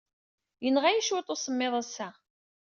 Yenɣa-iyi cwiṭ usemmiḍ ass-a.